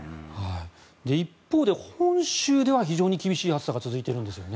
一方で本州では非常に厳しい暑さが続いているんですね。